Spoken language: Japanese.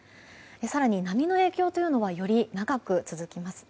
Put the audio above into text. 更に波の影響というのはより長く続きます。